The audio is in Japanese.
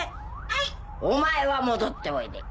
・はい・お前は戻っておいで。